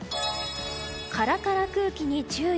カラカラ空気に注意。